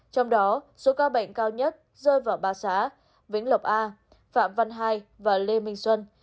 trong đó số ca bệnh cao nhất rơi vào ba xã vĩnh lộc a phạm văn hai và lê minh xuân